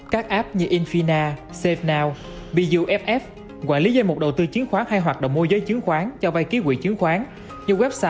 các app như infina savenow buff quản lý dây mục đầu tư chứng khoán hay hoạt động môi giới chứng khoán cho vây ký quỷ chứng khoán như website greensock vn